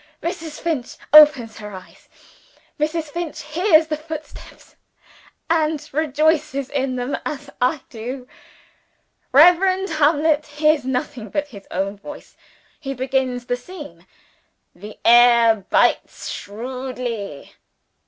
Mrs. Finch opens her eyes; Mrs. Finch hears the footsteps, and rejoices in them as I do. Reverend Hamlet hears nothing but his own voice. He begins the scene: "The air bites shrewdly.